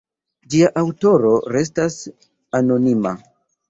Ĝia aŭtoro restas anonima.